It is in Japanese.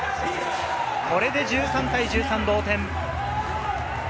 これで１３対１３、同点。